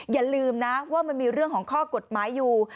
อย่าลืมนะว่ามันมีเรื่องของข้อกฎหมายอยู่